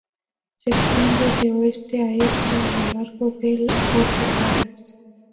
Se extiende de oeste a este a lo largo de ocho cuadras.